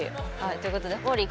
ということでもーりー